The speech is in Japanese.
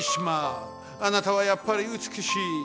あなたはやっぱりうつくしい！